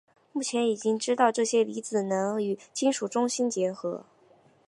目前已经知道这些离子能与金属中心结合。